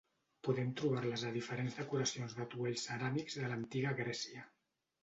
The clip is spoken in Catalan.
Podem trobar-les a diferents decoracions d'atuells ceràmics de l'Antiga Grècia.